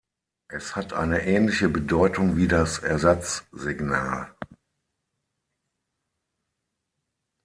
Es hat eine ähnliche Bedeutung wie das Ersatzsignal.